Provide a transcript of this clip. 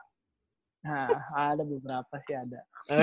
nah ada beberapa sih ada